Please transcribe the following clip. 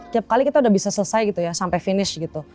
tiap kali kita udah bisa selesai gitu ya sampai finish gitu